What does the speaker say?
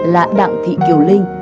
là đặng thị kiều linh